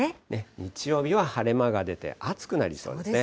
日曜日は晴れ間が出て、暑くなりそうですね。